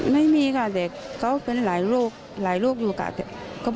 ไม่มีค่ะเด็กเขาเป็นหลายลูก